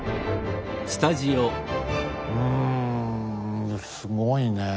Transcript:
うんすごいねえ。